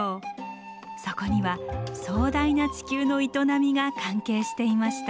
そこには壮大な地球の営みが関係していました。